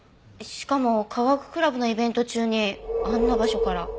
しかも科学クラブのイベント中にあんな場所から。